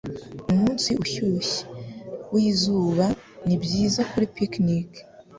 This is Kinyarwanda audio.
Umunsi ushyushye, wizuba nibyiza kuri picnic.